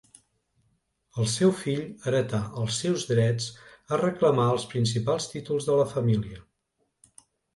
El seu fill heretà els seus drets a reclamar els principals títols de la família.